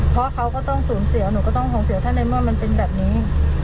เพราะเขาก็ต้องสูญเสียหนูก็ต้องส่งเสียถ้าในเมื่อมันเป็นแบบนี้